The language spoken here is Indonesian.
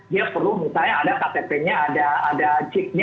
dia perlu misalnya ada ktp nya ada cip nya itu yang sudah dilakukan oleh ucapit